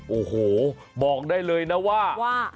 โอ้โหบอกได้เลยนะว่า